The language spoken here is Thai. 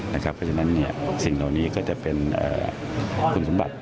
เพราะฉะนั้นสิ่งเหล่านี้ก็จะเป็นคุณสมบัติ